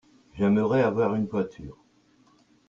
j'aimerais avoir une voiture.